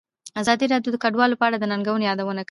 ازادي راډیو د کډوال په اړه د ننګونو یادونه کړې.